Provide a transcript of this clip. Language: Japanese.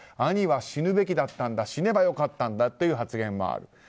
兄は死ぬべきだったんだ死ねば良かったんだという発言もある。